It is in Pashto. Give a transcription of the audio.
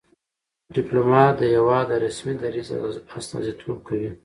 ډيپلومات د هېواد د رسمي دریځ استازیتوب کوي.